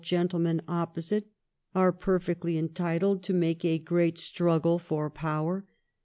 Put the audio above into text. gentlemen opposite are perfectly entitled to> make a great stmggle for power.